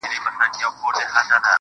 ستا وه ځوانۍ ته دي لوگى سمه زه.